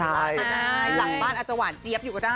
ก็ได้หลังบ้านอาจจะหวานเจี๊ยบอยู่ก็ได้